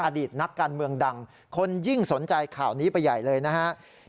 อดีตนักการเมืองดังคนยิ่งสนใจข่าวนี้ไปใหญ่เลยนะครับ